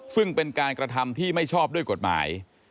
ซึ่งเป็นการกระทำที่ไม่ชอบด้วยกฎหมาย